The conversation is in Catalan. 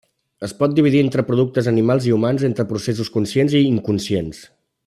Es pot dividir entre productes animals i humans i entre processos conscients i inconscients.